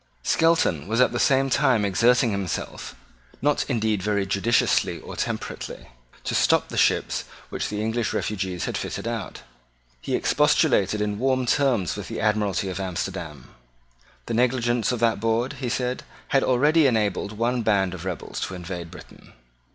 Skelton was at the same time exerting himself, not indeed very judiciously or temperately, to stop the ships which the English refugees had fitted out. He expostulated in warm terms with the Admiralty of Amsterdam. The negligence of that board, he said, had already enabled one band of rebels to invade Britain.